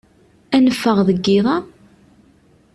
I neffeɣ deg yiḍ-a?